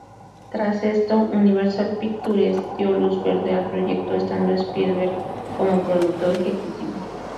Tras esto, Universal Pictures dio luz verde al proyecto, estando Spielberg como productor ejecutivo.